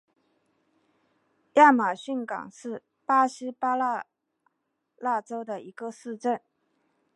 亚马孙港是巴西巴拉那州的一个市镇。